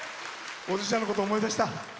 おじいちゃんのこと思い出した？